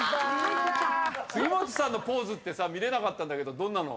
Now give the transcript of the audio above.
杉本さんのポーズってさ見れなかったけどどんなの。